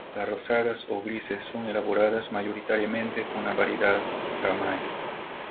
Los rosados o grises son elaborados mayoritariamente con la variedad gamay.